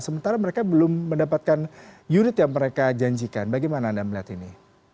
sementara mereka belum mendapatkan unit yang mereka janjikan bagaimana anda melihat ini